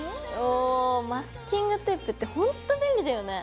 おマスキングテープってほんと便利だよね。